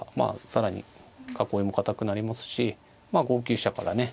更に囲いも堅くなりますしまあ５九飛車からね